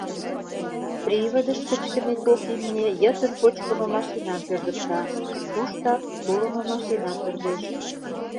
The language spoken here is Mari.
Приводыш кычкыме кок имне йытын почкымо машинам пӧрдыкта, туштак тулымо машина пӧрдеш.